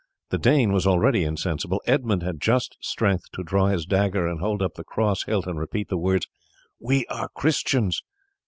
The Dane was already insensible. Edmund had just strength to draw his dagger and hold up the cross hilt and repeat the words, "We are Christians."